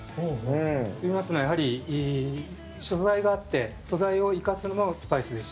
といいますのはやはり食材があって素材を生かすのがスパイスですし。